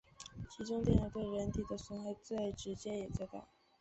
其中电流对人体的损害最直接也最大。